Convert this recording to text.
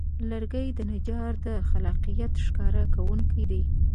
لرګی د نجار د خلاقیت ښکاره کوونکی دی.